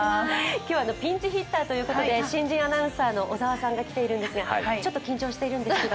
今日はピンチヒッターということで新人アナウンサーの小沢さんが来ているんですが、ちょっと緊張しているんですけど。